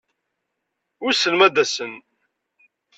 Wissen ma ad-asen?